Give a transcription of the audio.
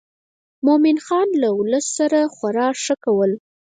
مومن خان له ولس سره خورا ښه کول.